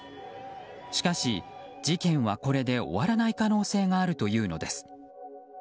しかし、事件はこれで終わらない可能性があるというのです。